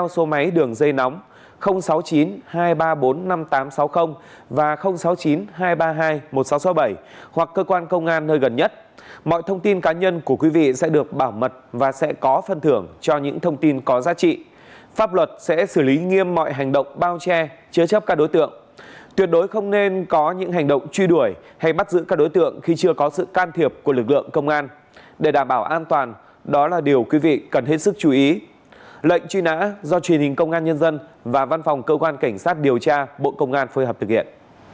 quý vị cần hết sức chú ý lệnh truy nã do truyền hình công an nhân dân và văn phòng cơ quan cảnh sát điều tra bộ công an phối hợp thực hiện